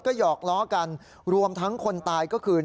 หยอกล้อกันรวมทั้งคนตายก็คือ